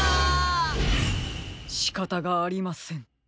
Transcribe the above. しかたがありません。